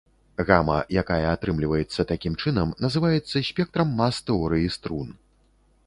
Гама, якая атрымліваецца такім чынам, называецца спектрам мас тэорыі струн.